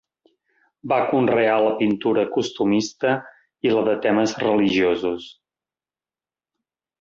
Va conrear la pintura costumista i la de temes religiosos.